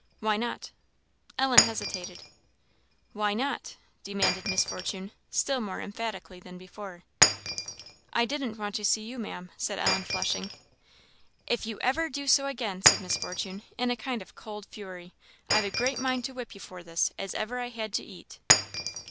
"Why not?" Ellen hesitated. "Why not?" demanded Miss Fortune, still more emphatically than before. "I did't want to see you, Maam," said Ellen, flushing. "If ever you do so again!" said Miss Fortune, in a kind of cold fury; "I've a great mind to whip you for this, as ever I had to eat."